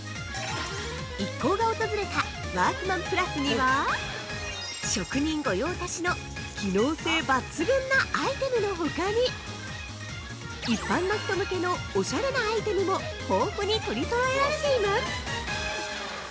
一行が訪れたワークマンプラスには職人御用達の機能性抜群なアイテムのほかに一般の人向けのオシャレなアイテムも豊富に取り揃えられています！